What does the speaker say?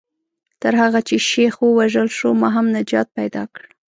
تر هغه چې شیخ ووژل شو ما هم نجات پیدا کړ.